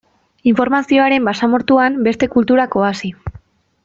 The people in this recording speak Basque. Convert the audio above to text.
Informazioaren basamortuan, beste kulturak oasi.